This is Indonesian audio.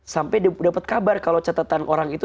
sampai dapat kabar kalau catatan orang itu